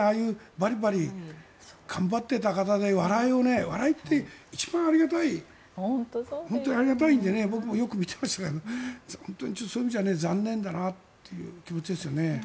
ああいうバリバリ頑張っていた方で笑いを笑いって一番ありがたい本当にありがたいので僕もよく見ていますがそういう意味じゃ残念だなという気持ちですよね。